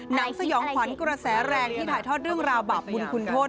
สยองขวัญกระแสแรงที่ถ่ายทอดเรื่องราวบาปบุญคุณโทษ